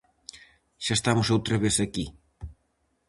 Xa estamos outra vez aquí.